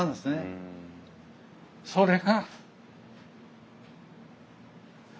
それが。